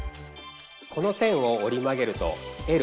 この線を折り曲げるとＬ。